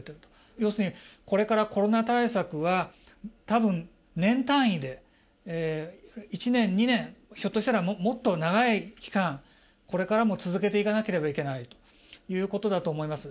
要するにこれからコロナ対策は多分年単位で１年２年ひょっとしたらもっと長い期間これからも続けていかなければいけないということだと思います。